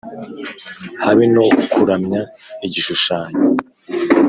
Habe no kuramya igishushanyo